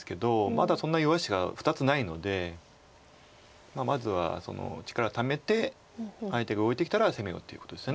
まだそんなに弱い石が２つないのでまずは力ためて相手が動いてきたら攻めようっていうことです。